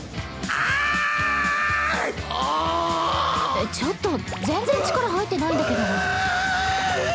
えっちょっと全然力入ってないんだけど。